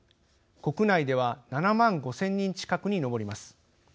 国内では７万５０００人近くに上ります。